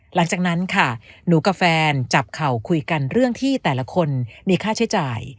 หลังจากนั้นค่ะหนูกับแฟนจับเข่าคุยกันเรื่องที่แต่ละคนมีค่าใช้จ่าย